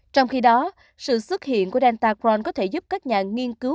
trong khi đó sự xuất hiện của delta cron có thể giúp các nhà nghiên cứu